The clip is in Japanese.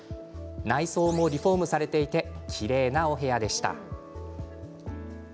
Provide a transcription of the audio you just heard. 内装もリフォームされていてきれいなお部屋でした。